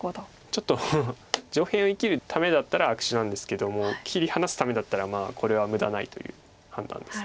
ちょっと上辺を生きるためだったら悪手なんですけども切り離すためだったらこれは無駄ないという判断です。